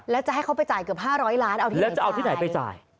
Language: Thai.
แล้วจะให้เขาไปจ่ายเกือบ๕๐๐ล้านเอาที่ไหนไปจ่าย